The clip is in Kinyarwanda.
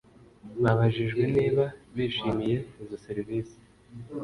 Babajijwe niba bishimiye izo serivisi